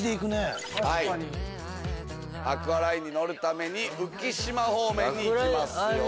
アクアラインに乗るために浮島方面に行きますよ。